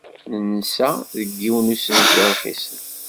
Nensa deg yiwen n usensu rxisen.